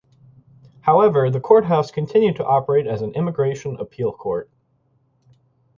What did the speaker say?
However the courthouse continued to operate as an immigration appeal court.